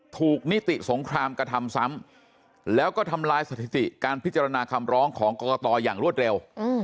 นิติสงครามกระทำซ้ำแล้วก็ทำลายสถิติการพิจารณาคำร้องของกรกตอย่างรวดเร็ว